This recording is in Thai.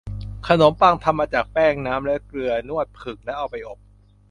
ขนมปังทำมาจาก แป้ง น้ำ และเกลือ นวด ผึ่ง และเอาไปอบ